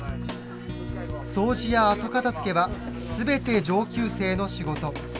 掃除や後片づけは全て上級生の仕事。